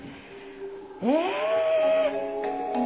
え！